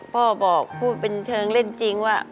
พ่อบอกพูดเป็นเชิงเล่นจริงว่า